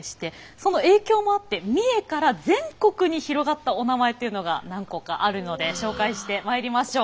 その影響もあって三重から全国に広がったおなまえというのが何個かあるので紹介してまいりましょう。